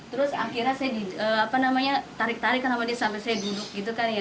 terus akhirnya saya tarik tarik kenapa dia sampai saya duduk gitu kan ya